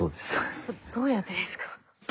どうやってですか？